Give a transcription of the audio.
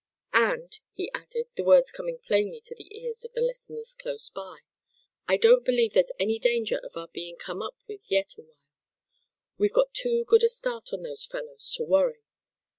"And," he added, the words coming plainly to the ears of the listeners close by, "I don't believe there's any danger of our being come up with yet awhile. We've got too good a start on those fellows, to worry.